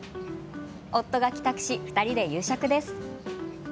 夫が帰宅し、２人で夕食です。